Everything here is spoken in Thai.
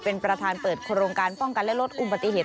เป็นประธานเปิดโครงการป้องกันและลดอุบัติเหตุ